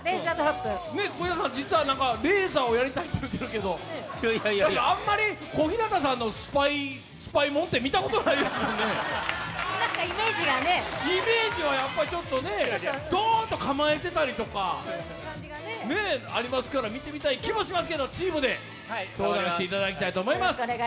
小日向さん、実はレーザーをやりたいって言ってるけどあまり小日向さんのスパイもんって見たことないですもんね、イメージはやっぱりちょっとねドーンと構えてたりとかありますから見てみたい気もしますけど、チームで相談していただきたいと思います。